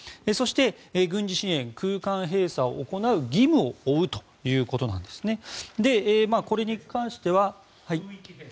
そして、軍事支援、空間閉鎖を行う義務を負うということなんですね。